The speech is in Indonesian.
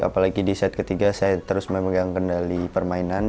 apalagi di set ketiga saya terus memegang kendali permainan